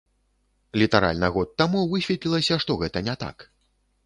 Літаральна год таму высветлілася, што гэта не так.